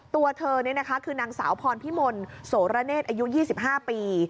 ตัวเธอคือนางสาวพรพิมลโสระเนศอายุ๒๕ปี